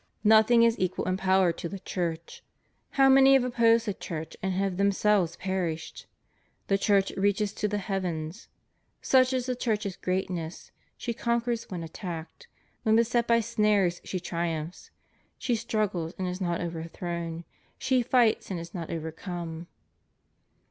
"Nothing is equal in power to the Church. ... How many have opposed the Church and have themselves perished! The Church reaches to the heavens. Such is the Church's greatness; she conquers when attacked; when beset by snares she triumphs; ... she struggles, and is not overthrown; she fights, and ia not overcome."